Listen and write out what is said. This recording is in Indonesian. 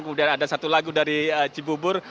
kemudian ada satu lagu dari cibubur